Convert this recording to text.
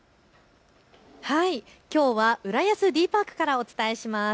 きょうは浦安Ｄパークからお伝えします。